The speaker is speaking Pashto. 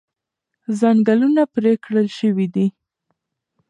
ځنګلونه پرې کړل شوي دي.